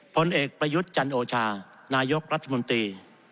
ผลเอกประยุทธ์จันโอชานายกรัฐมนตรี